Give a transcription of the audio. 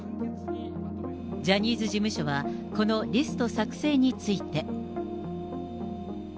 ジャニーズ事務所は、このリスト作成について。